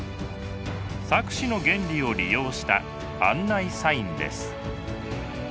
錯視の原理を利用した案内サインです。